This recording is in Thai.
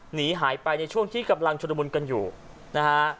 หนีหายไปในช่วงที่กำลังชุดละมุนกันอยู่นะฮะ